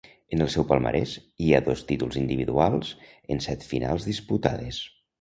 En el seu palmarès hi ha dos títols individuals en set finals disputades.